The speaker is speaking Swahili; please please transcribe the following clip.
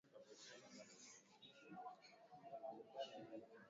si sehemu ya jimbo lolote Zamani yalikuwa